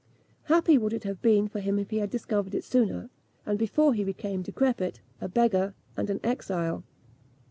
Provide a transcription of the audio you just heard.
Happy would it have been for him if he had discovered it sooner, and before he became decrepit, a beggar, and an exile!